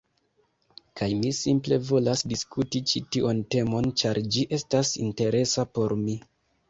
Kaj mi simple volas diskuti ĉi tion temon ĉar ĝi estas interesa por mi.